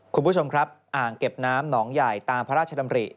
คุณผู้ชมครับอ่างเก็บน้ำหนองใหญ่ตามพระราชดำริ